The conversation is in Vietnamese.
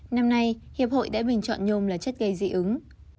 năm nay hiệp hội đã bình chọn nhôm là chất gây dị ứng